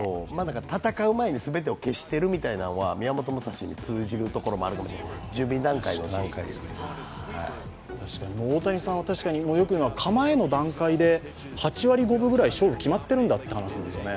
戦う前に全てを決しているみたいなところは宮本武蔵に通じるところがあるのかもしれない、大谷さんは確かによく言うのは構えの段階で８割５分ぐらい勝負が決まってるんだと話すんですよね。